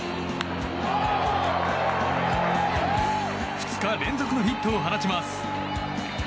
２日連続のヒットを放ちます。